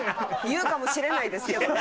言うかもしれないですけどね。